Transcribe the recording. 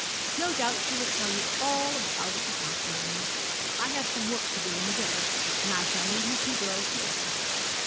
No doubt she will tell you all about it this afternoon. I have some work to do in the village, and I shall leave you two girls together.'